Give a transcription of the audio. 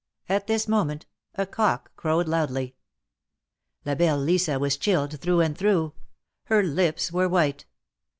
At this moment a cock crowed loudly. La belle Lisa was chilled through and through. Her lips were white.